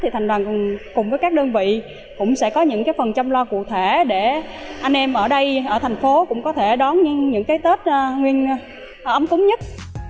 thì thành đoàn cùng với các đơn vị cũng sẽ có những phần chăm lo cụ thể để anh em ở đây ở thành phố cũng có thể đón những tết nguyên ấm cúng nhất